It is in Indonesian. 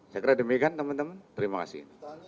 saya kira demikian teman teman terima kasih